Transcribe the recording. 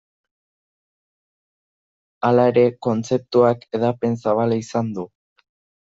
Halere, kontzeptuak hedapen zabala izan du.